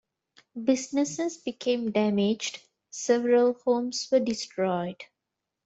Businesses became damaged, several homes were destroyed.